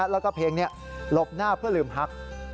แล้วก็เพลงนี้หลบหน้าเพื่อลืมฮัก